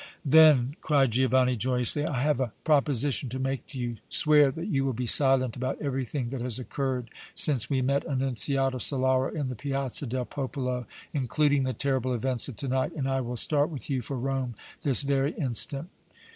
"Then," cried Giovanni, joyously, "I have a proposition to make to you. Swear that you will be silent about everything that has occurred since we met Annunziata Solara in the Piazza del Popolo, including the terrible events of to night, and I will start with you for Rome this very instant!"